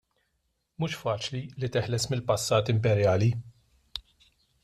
Mhux faċli li teħles mill-passat imperjali.